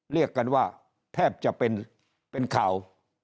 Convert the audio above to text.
เรียกกันว่าแทบจะเป็นข่าว